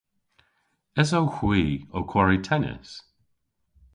Esowgh hwi ow kwari tennis?